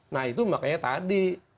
nah itu makanya tadi